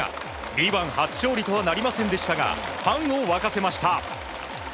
Ｂ１初勝利とはなりませんでしたがファンを沸かせました。